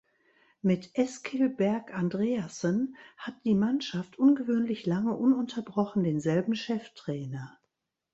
Mit Eskil Berg Andreassen hat die Mannschaft ungewöhnlich lange ununterbrochen denselben Cheftrainer.